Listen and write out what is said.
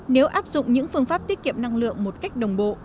nếu áp dụng những phương pháp tiết kiệm năng lượng một cách đồng bộ